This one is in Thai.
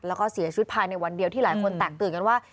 แล้วก็เสียชีวิตภายในวันเดียวที่หลายคนแตกตื่นกันว่า